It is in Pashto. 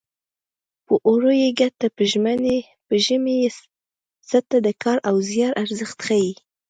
په اوړي یې ګټه په ژمي یې څټه د کار او زیار ارزښت ښيي